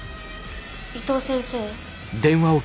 伊藤先生？